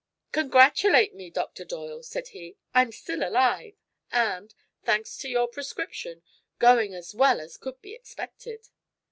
"Congratulate me, Dr. Doyle," said he. "I'm still alive, and thanks to your prescription going as well as could be expected."